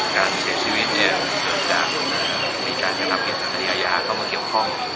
การเสียชีวิตจะมีการกระนับเหตุศัตริยายาเข้ามาเกี่ยวข้อง